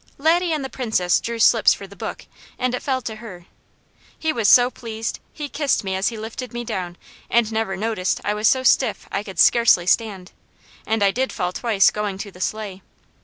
Laddie and the Princess drew slips for the book and it fell to her. He was so pleased he kissed me as he lifted me down and never noticed I was so stiff I could scarcely stand and I did fall twice going to the sleigh.